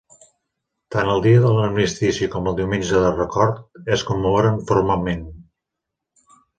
Tant el Dia de l'Armistici com el Diumenge de Record es commemoren formalment.